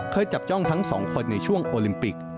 จับจ้องทั้งสองคนในช่วงโอลิมปิก